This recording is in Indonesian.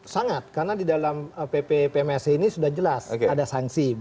sangat karena di dalam pp pmse ini sudah jelas ada sanksi